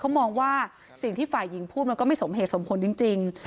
เขามองว่าสิ่งที่ฝ่ายหญิงพูดมันก็ไม่สมเหตุสมผลจริง